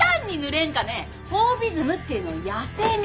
フォービズムっていうのは野性味。